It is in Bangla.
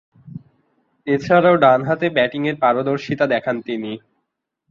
এছাড়াও ডানহাতে ব্যাটিংয়ে পারদর্শীতা দেখান তিনি।